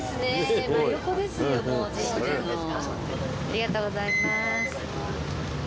ありがとうございます。